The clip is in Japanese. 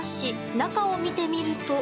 中を見てみると。